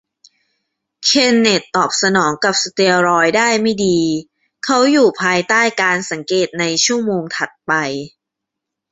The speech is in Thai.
เคนเนธตอบสนองกับสเตียรอยด์ได้ไม่ดี เขาอยู่ภายใต้การสังเกตในชั่วโมงถัดไป